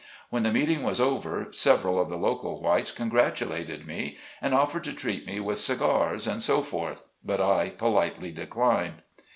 When the meeting was over several of the local whites congratulated me, and offered to treat me with cigars, and so forth, but I politely declined.